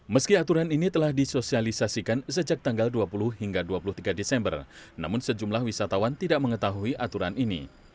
meski aturan ini telah disosialisasikan sejak tanggal dua puluh hingga dua puluh tiga desember namun sejumlah wisatawan tidak mengetahui aturan ini